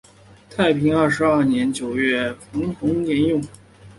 太平二十二年九月冯弘沿用。